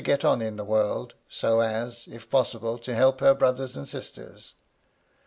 get on in the worlds so as, if possible, to help her brothers and asters.